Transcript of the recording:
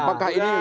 apakah ini bisa